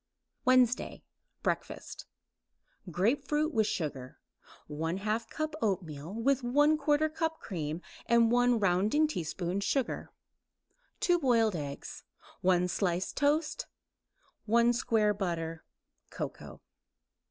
WEDNESDAY BREAKFAST Grapefruit with sugar; 1/2 cup oatmeal with 1/4 cup cream and 1 rounding teaspoon sugar; 2 boiled eggs; 1 slice toast; 1 square butter; cocoa.